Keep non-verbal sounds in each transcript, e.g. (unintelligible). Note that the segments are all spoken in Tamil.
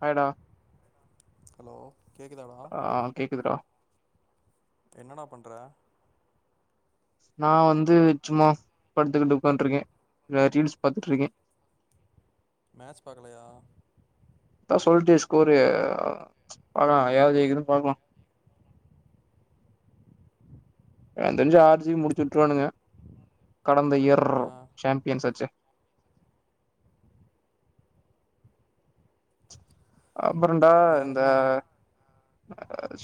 ஹாய் டா ஹலோ கேக்குதாடா கேக்குதுடா என்னடா பண்ற நா வந்து சும்மா படுத்துக்கிட்டு உக்கான்டுருக்கே இல ரீல்ஸ் பாத்துட்டுருக்கே மேட்ச் பாக்கலையா அதா சொல்ட்டியே ஸ்கோரு பாக்கலா யாரு ஜெயிக்குதுன் பாக்லா எனக்கு தெரிஞ்சு ஆர் சி முடிச்சு வுட்டுருவானுங்க கடந்த இயர் ஆ சாம்பியன்ஸ் ஆச்சு (inaudible) அப்றோன்டா வேற இந்த என்ன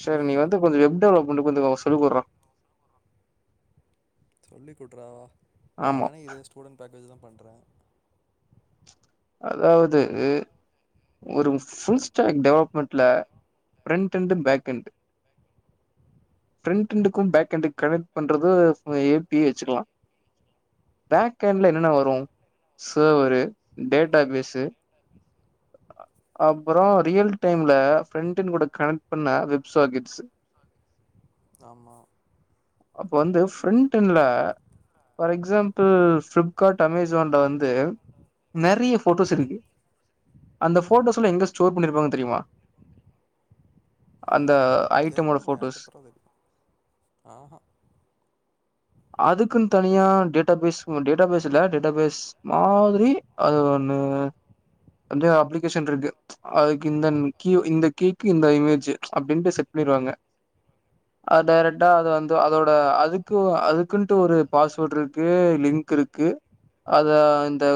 சேரி நீ ம் வந்து கொஞ்சம் வெப் டெவலப் கொண்டு (unintelligible) சொல்லி குட்ரா சொல்லி கொட்டுறவா நானே இது ஸ்டூடெண்ட் பேக்கேஜ் தா பண்ற அதாவது ஒரு ஃபுல் ஸ்டாப் டெவலப்மெண்ட்ல front and backend frontend க்கும் பேக்அண்டுக்கும் கனெக்ட் பண்றது ஏ பி வச்சுக்கலா பேக்ண்ட்ல என்னன்ன வரு சேவர் டேட் டா பேஸ்சு அப்றோ ரியல் டைம்ல பிரிண்டட் கூட கனெக்ட் பண்ண வெப் சாக்கெட்ஸ் ஆமா அப்ப வந்து ஃப்ரண்ட்என்ட்லல பார் எக்ஸாம்பிள் ஃப்ளிப்கார்ட் அமேசான் ல வந்து நிறைய போட்டோஸ் இருக்கு அந்த போட்டோஸ ல இந்த ஸ்டோர் பண்ணு வாங்கனு தெரியுமா அந்த ஐட்டமோட தெர்லண்ணா எனக்கு போட்டோஸ் எப்பட்றா தெரியு ஆஹா அதுக்கும் தா நீயா டேட்டாபேஸ் டேட்டாபேஸ் இல்ல டேட்டாபேஸ் மாதிரி அது ஒன்னு வந்து அப்ளிகேஷன் இருக்கு அதுக்கு இந்த க்யூ இந்த கீக்கு இந்த இமேஜூ அப்டின்ட்டு செட் பண்ணிருவாங்க அத டைரக்ட வந்து அதோட அதுக்கு அதுக்குன்ட்டு ஒரு பாஸ்வேர்ட் இருக்கு லிங்க் இருக்கு அத இந்த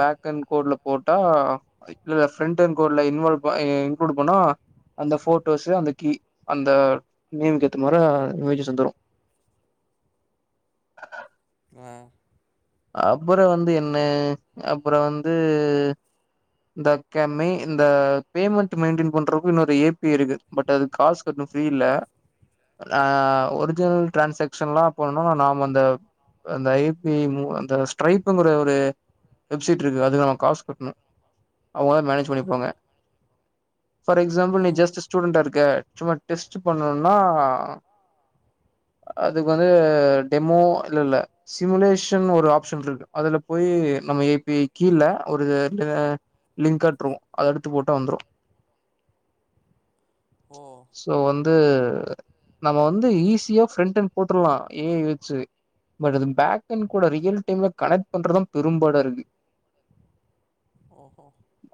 பேக்கண்ட் கோட்ல போட்டா இல்லல்ல ஃப்ரண்ட்டண்ட் கோட்ல இன்வால்வ் ப இன்க்ளூட் பண்ணா அந்த ஃபோட்டோஸு அந்த கீ அந்த நேமுக்கு ஏத்த மார இமேஜஸ் வந்துரு ஹஹ ஆஹ் அப்புறம் வந்து என்ன அப்புறம் வந்து இந்தகமே இந்த பேமெண்ட் மெயின்டென் பண்றக்கும் இன்னொரு ஏபிஐ இருக்கு பட் அதுக்கு காசு கட்டணும் ஃப்ரீ இல்ல ஆஹ் ஒரிஜினல் டிரான்சாக்க்ஷன்ல்லா பண்ணு நாம அந்த அந்த ஏபிஐ அந்த ஸ்ட்ரைப்புங்கிற ஒரு வெப்சைட் இருக்கு அதுக்கு நம்ம காசு கட்டணு அவங்களா மேனேஜ் ஓஹோ பண்ணிப்பாங்க ஃபார் எக்ஸாம்பிள் ஆ நீ ஜஸ்ட் ஸ்டூடண்டா இருக்க சும்மா டெஸ்ட் பண்ணும்னா அதுக்கு வந்து டெமோ இல்ல இல்ல சிமுலேஷன் ஒரு ஆப்ஷன் இருக்கு அதுல போய் நம்ம ஏபி கீழ ஒரு அத லிங்க் காட்ரும் அத எடுத்து போட்டா வந்துரும் ஓ சோ வந்து நம்ம வந்து ஈஸியா ஃபிரண்ட் எண்ட் போட்ரலாம் ஏ ஐ வச்சு பட் அத பேக் எண்ட் கூட ரியல் டைம்ல கனெக்ட் பண்றதுதான் பெரும்பாடா இருக்கு ஓஹோ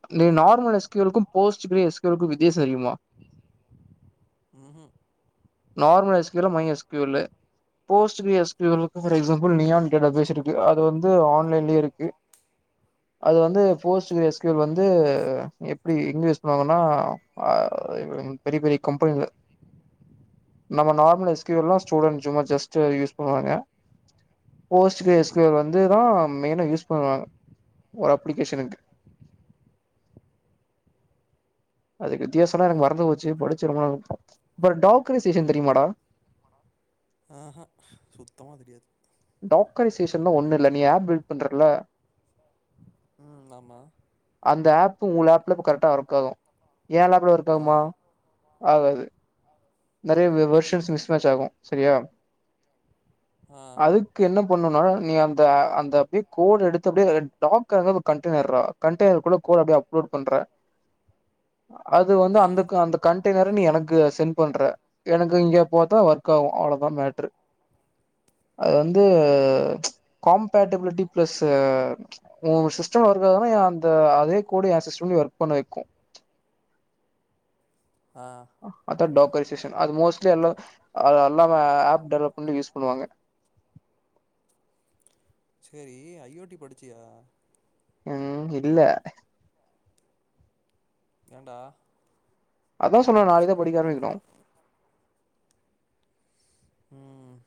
அதுலே நார்மல் எஸ் எஸ்கியூவல்ளுக்கு போஸ்ட் கிரே எஸ்கியூவல்ளுக்கும் வித்யாசம் இருகிமா ம்ஹு நார்மல் எஸ்கியூல்ல மை எஸ்கியூல்லு போஸ்ட் கிரே எஸ்கியூல்லுக்கு ஃபார் எக்ஸாம்பிள் நியான் டேட்டா பேசிருக்கு அது வந்து ஆன்லைன்லயே இருக்கு அது வந்து போஸ்ட் கிரே எஸ்கியூவல் வந்து எப்டி எங்கே யூஸ் பண்ணுவாங்கன்னா ஆவ் பெரிய பெரிய கம்பெனில நம்ம நார்மல் எஸ்கியூவல்லா ஸ்டூடண்ட் சும்மா ஜஸ்ட்டு யூஸ் பண்ணுவாங்க போஸ்ட் கிரே எஸ்கயூவல் வந்துதா மெயினா யூஸ் பண்ணுவாங்க ஒரு அப்ளிகேஷனுக்கு அதுக்கு வித்தியாசம்னா எனக்கு மறந்து போச்சு படிச்சு ரொம்ப நாள் பட் டாக்குரைசேஷன் தெரியுமாடா ஆஹா சுத்தமா தெரியாது டாக்குரைசேஷன்னா ஒண்ணு இல்ல நீ ஆப் பில்ட் பண்றல தாமா அந்த ஆப் உங்க லேப்ல இப்ப கரெக்டா ஒர்க் ஆகு ஏ லேப்ல ஆ ஒர்க்காவுமா ஆகாது நெறைய வெ வெர்ஷன்ஸ் மிஸ் மேட்ச் ஆகு சரியா ஆ அதுக்கு என்ன பண்ணோனா நீ அந்த அந்த அப்படியே கோடு எடுத்தபடிய டாக்க கண்டடெய்னர்துரா கண்டடெய்னர்குல்ல கோட அப்படியே அப்லோட் பண்ற அது வந்து ஆ அந்த க அந்த கண்ட் டைனரு நீ எனக்கு சென்ட் பண்ற எனக்கு இங்க போத்தா ஒர்க் ஆகு அவ்ளோதா மேட்ரு அது வந்து ப்ச் காம்படபிளிட்டி ப்ளஸ் ஓ சிஸ்ட சிஸ்டமம் வரும்னா என் அந்த அதே கூட என் சிஸ்டம்லய ஒர்க் பண்ண வைக்கு ஆ அத டோக்கரி அப்ளிகேஷன் அல்மோஸ்ட் எல்லா எல்லாமே ஆப் டெவலப் பண்ண யூஸ் பண்ணுவாங்க சரி ஐஓடி படிச்சியா ம் இல்ல ஏண்டா அதான் சொன்ன நாளைதான் படிக்க ஆரம்பிக்கனு ம்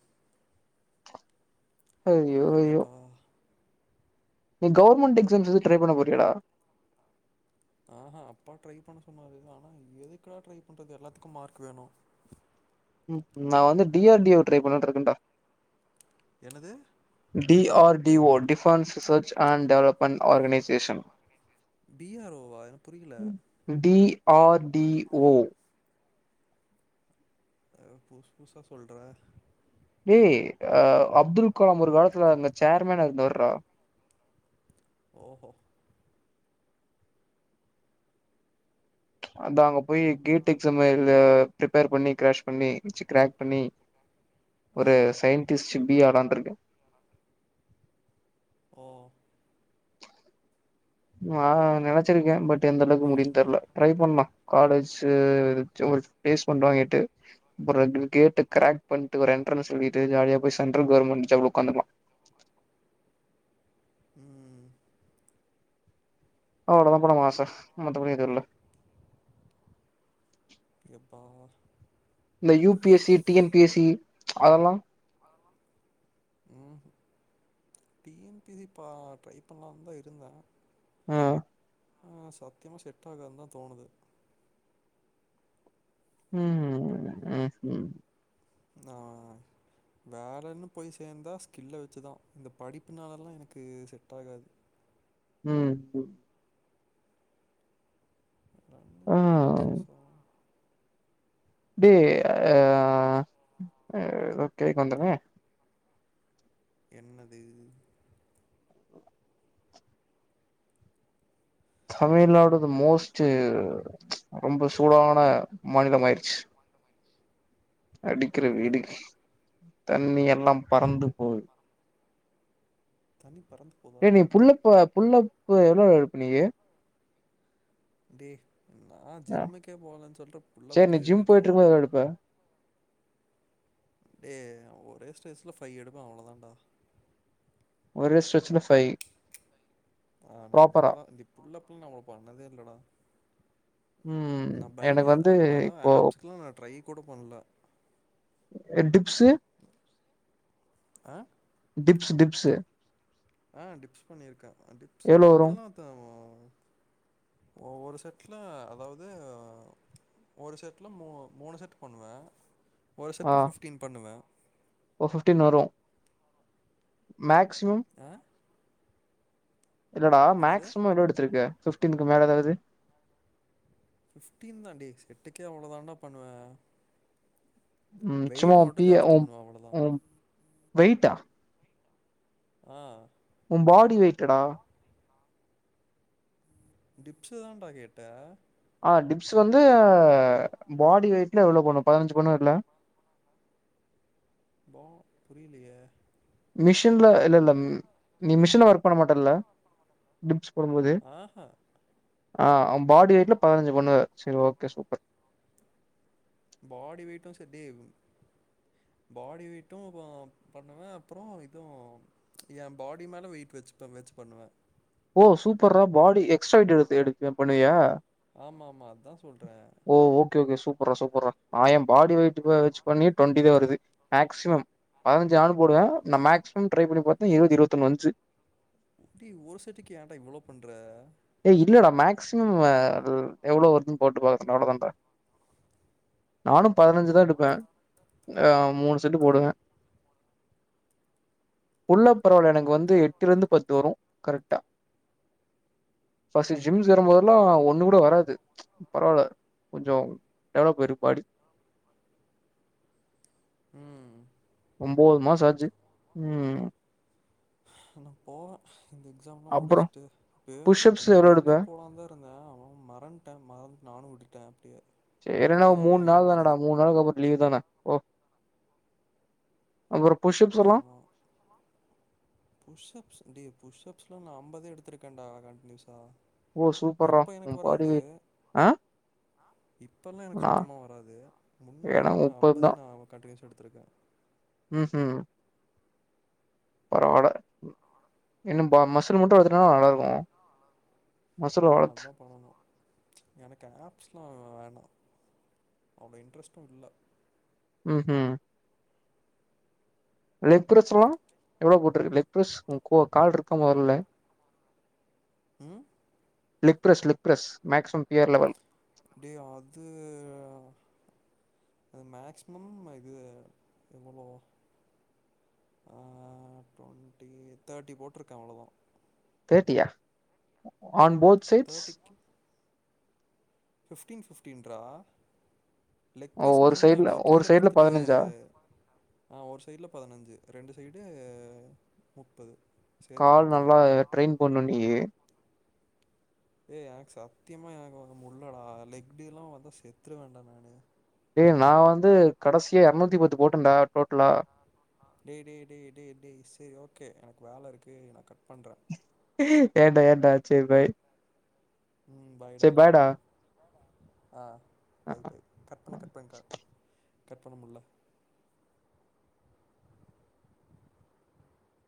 அய்யோ அய்யோ எப்பா நீ கவர்மெண்டட் எக்ஸாம்ஸ் ஏதாது ட்ரை பண்ண போறீயாடா ஆஹ்ஹா அப்பா ட்ரை பண்ண சொன்னாரு ஆனா எதுக்குடா ட்ரை பண்றது எல்லாத்துக்கு மார்க் வேணு ம் ம் நா வந்து D R D O try பண்ணட்டு இருக்கேடா என்னது R D O defence search and development organisation D R ஓவா எனக் புரியல டி ஆர் டி ஓ ஏதோ புசு புசா சொல்ற ஏ அ அப்துல் கலாம் ஒரு காலத்துல அங்க சேர்மேனா இருந்தவர் டா ஓ ஹோ அ அங்க போய் கேட் எக்ஸாம் எழுத பிப்பேர் பண்ணி க்ரேஷ் பண்ணி ச்சே கிராக் பண்ணி ஆ ஒரு சயின்டிஸ்ட் பி ஆளான்ட்டிருக்கே ஓ ஆ நெனச்சிருக்க பட் எந்த அளவுக்கு முடின்னு தெர்ல ட்ரை பண்ணலா காலேஜ்ஸ் எக்ஸாம் பேலேஸ்மேன்ட் வாங்கிட்டு அப்பறோ கேட்டு கிராக் பண்ணிட்டு ஒரு என்ட்ரன்ஸ் எழுதிட்டு ஜாலியா போய் சென்ட்ரல் கவர்மெண்ட் ஜாப் உக்காந்துலா ம் அவளோதா பா நம்ம ஆச மத்தபடி எதுவுல்ல எப்ப இந்த U P S C T N P S C அதெல்லா ம் டி. என். பி. சி பா ட்ரை பண்ணலனு தா இருந்த ஆ ஆ சத்தியமா செட் ஆகானுதா தோணுது ம் ம் உஹம் ஆ வேலைன்னு போய் சேர்ந்தா ஸ்கில்ல வச்சுதா இந்த படிப்புனாலலா எனக்கு செட் ஆகாது ம் ஆ ரன்னிங் ப்ராசஸ் ஆ டி அ எதோ கேக்க வந்தனே என்னது தமிழ்நாடுது மோஸ்ட் ரொம்ப சூடான மாநிலம் ஆயிருச்சு அடிக்கிற அப்டியா வீடுக்கு தண்ணி எல்லா பறந்து போது தன்னிப் ஏ நீ புல்லப்ப புல்லப்பு எவ்ளோ எடுப்ப நீய் டே நா ஜிம்முக்கே போகலன்னு சொல்ற புள்ள சேரி நீ பத ஜிம் போயிட்டு கேகறே இருக்கும்போது எவ்ளோ எடுப்ப டே ஒரே ஸ்ட்ரஸ்ல ஃபைபவ் எடுப்பே அவ்ளோ தாண்டா ஒரே ஸ்ட்ரெஜ்ல ஃபைவ் ஆனா ப்ராப்பரா அவ்ளோதான் தி புல்லப்பும் நாமு பண்ணதே இல்லடா உம் எனக்கு வந்து அதான் இப்போ ஆப்ஸ்க்குலாம் நான் ட்ரை கூட பண்ணல எட்டுத் டிப்ஸு டிப் டிப்ஸு டிப்ஸு ஆஹ் டிப்ஸ் பண்ணிருக்கேன் டிப்ஸ்ல்ல எவ்ளோ வரு அதெல்லாம் அதன் ஒ ஒரு செட்ல அதாவது ஒரு செட்ல மூ மூணு செட் பண்ணுவேன் ஒரு செட்ல ஃபிப்டீன் பண்ணுவேன் ஒரு ஃபிப்டீன் வரும் மேக் ஸிமம் ஆ இல்லடா என்னது மேக்சிம் எவ்ளோ எடுத்தத்துருக்க ஃபிப்டீ மேல எதாது ஃபிப்டின் தான்டி செட்டுக்கே அவ்ளோ தான்டா பண்ணுவேன் உம் வெயிட் சும்மாம் மட்டும் பிஅ ஜாஸ்தி ம் பண்ணுவேன் அவ்வளோதான் ம் வெயிட்டா ஆஹ் உன் பாடி வெட்டடா டிப்ஸ்தான்டா கேட்ட ஆ டிப்ஸ் வந்து பாடி வெயிட்ல எவ்ளோ பண்ணுவ பதினஞ்சு பண்னுவ இல்ல பா புரியலையே மிஷின்ல இல்ல இல்ல நீ மிஷின்ல ஒர்க் பண்ண மாட்டல்ல டிப்ஸ் போடும் போது ஆஹா ஆஹ் பாடி வெயிட் ல பதினஞ்சு பண்ணுவ சரி ஓகே சூப்பர் பாடி வெயிட்டும் செத்தேவ் பாடி வெயிட்டும் ப பண்ணுவேன் அப்புறம் இதுவும் என் பாடி மேல வெயிட் வெ வெச்சு பண்ணுவேன் ஓ சூப்பர்ரா பாடி எக்ஸ்ட்ரா ட் எடு எடுக்குவேன் பண்ணுவியா ஆமா ஆமா அதான் சொல்றேன் கே ஓகே சூப்பர்ரா சூப்பர்ரா நான் என் பாடி வெயிட் பண்ணனும் வச்சு பண்ணி டுவெண்ட்டி த வருது மேக்சிமம் பதினஞ்சு ஆண்டு போடுவேன் நான் மேக்சிமம் டரை பண்ணி பாே இருபதுஇருபத்தி ஒன்னு வந்துச்சு அப்டி ஒரு செட்டுக்கு ஏடா இவ்வளோ பண்ற ஏஇல்லடா மேக்சிமம் எவ்வளோ வருதுன்னு போட்டு பா அவவ்வளவுதான் நானும் பதினஞ்சுதான் எடுப்பேன் ஆஹ் மூணு செட்டு போடுவேன் உள்ள பரவாயில்ல எனக்கு வந்து எட்டுல இருந்து பத்து வரும் கரெக்டா ஃபஸ்ட் ஜிம் வரும்போதெல்லாம் ஒண்ணு கூட வராது பரவால்ல கொஞ்சம் டெவலப் ஆயிரு பாடி ம் ஒம்போது மாசோ ஆச்சு ம் னப்போ இந்த எக்ஸாம்லாம் அப்புறம் முடிச்ட்டு அ புஷ் அப்ஸ் இந்த எவ்வளோ எடுப்ப? லீவ்லே போலா தா இருந்தே அவன் மறந்ட்டே மறந்துட் நானு விட்டுட்டே டியே சே என்னன்னா மூன் நாள் தானாடா மூன் நாளுக்கு அப்புறோ லீவ் தானே ஓ அப்புறோ புஷ்அப்ஸ் எல்லா புஷ் அப்ஸ் டே புஷ் அப்ஸ்லா நா அம்பதே எடுத்துருக்கேன்டா கண்ட்னியூஸா ஓ சூப்பர்ரா இப்ப உ எனக்கு பாடி வராது வெயிட் ஆ இப்பல்லா எனக்கு நா சுத்தமா வராது எனக்கு முன்னாடில்லா முப்பது அம்பது தா நா கன்டினியுவஸ்ஸா எடுத் துருக்க ம் ம் பரவால இன்னும் பா மசுல் மட்டூ வந்துட்டா நல்லா இருக்கூ ஆமா அதா பண்ணணு எனக்கு ஆப்ஸ்ல்லா வேணா அவன் இன்ட்ரெஸ்ட்டூ இல்ல ம் ம் லெக் ப்ரஸ் லா எவ்வளோ போட்ருக்க லெக் ப்ரஸ் உ கோ கால்ட்ருக்க (unintelligible) ம் leg press leg press maximum பியர் லெவல் டே அது அத் மேக்சிமம் ம இது எவ்வளோ அ டுவெண்டி தேர்ட்டி போட்ருக்கே அவ்ளோதா தேட்டியா on both sides fifteen fifteen ரா லெக் ஓ பிரஸ்னா ஒரு என்னா சைட்ல இப்ப ஒரு கீழ சைட்ல படுத்துட்டு பதினஞ்சா ஆ ஒரு சைட்ல பதினஞ்சு ரெண்டு சைட்டு முப்பது கால் நல்லா ட்ரெயின் பண்ணு நீயி ஏ எனக் சத்தியமா எனக் வந்த முள்ளடா (unintelligible) வந்தா செத்துருவேண்டா நானு ஏ நா வந்து கடசியா எரநூத்தி பத்து போட்டேன்டா டோட்டலா டேய் டேய் டேய் டேய் டேய் செரி ஓகே எனக் வேல இருக்கு நா கட் பண்றே ஏன்டா ஏன்டா செரி பாய் செ பாய்டா ஆ பாய் பாய் கட் பண்ணு கட் பண்றா கட்பண்ணமுள்ளா